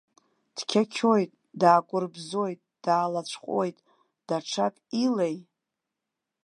Дқьақьоит, даакәырбзоит, даалацәҟәуеит, даҽак илеи?